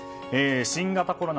新型コロナ